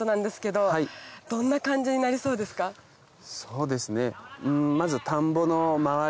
そうですねまず。